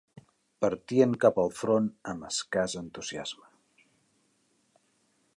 Partien cap al front amb escàs entusiasme.